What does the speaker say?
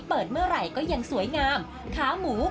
เปิดเมื่อไหร่ก็ยังสวยงามขาหมู